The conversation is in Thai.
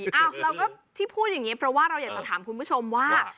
เราก็ที่พูดอย่างนี้เพราะว่าเราอยากจะถามคุณผู้ชมว่า